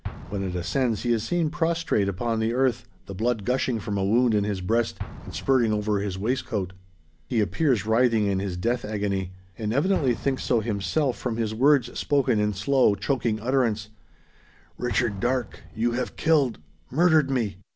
When it ascends, he is seen prostrate upon the earth; the blood gushing from a wound in his breast, and spurting over his waistcoat. He appears writhing in his death agony. And evidently thinks so himself, from his words spoken in slow, choking utterance, "Richard Darke you have killed murdered me!"